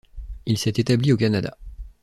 Il s'est établi au Canada.